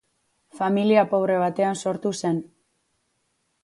Familia pobre batean sortu zen.